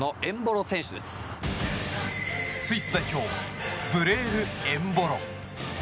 スイス代表ブレール・エンボロ。